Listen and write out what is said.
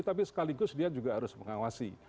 tapi sekaligus dia juga harus mengawasi